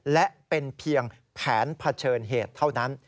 และเป็นเพียงแผนเผชิญเหตุเท่านั้น